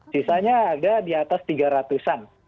sisanya ada di atas tiga ratus an